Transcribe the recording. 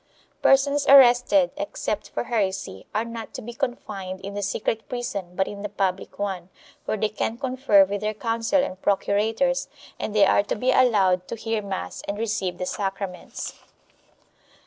Persons arrested, except for heresy, are not to be confined in the secret prison but in the public one, where they can confer with their counsel and procurators, .and they are to be allowed to hear mass and receive the sacraments.